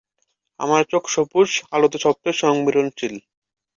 আমাদের চোখ সবুজ আলোতে সবচেয়ে সংবেদনশীল।